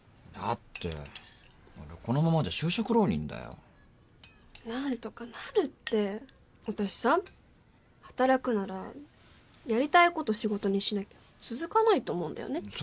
だって俺このままじゃ就職浪人だよ何とかなるって私さ働くならやりたいこと仕事にしなきゃ続かないと思うんだよね